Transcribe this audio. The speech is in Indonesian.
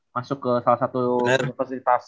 masuk ke salah satu universitas